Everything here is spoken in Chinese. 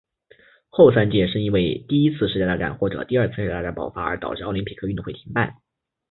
后三届是因为第一次世界大战或者第二次世界大战爆发而导致奥林匹克运动会停办。